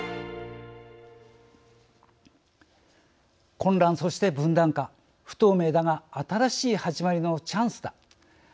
混乱そして分断か不透明だが新しい始まりのチャンスだ